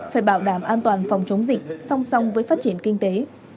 phải bảo đảm an toàn phòng chống dịch song song với phát triển kinh tế